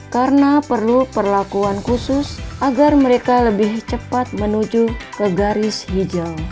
karena perlu perlakuan khusus agar mereka lebih cepat menuju ke garis hijau